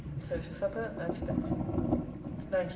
So to supper and to bed. 19th.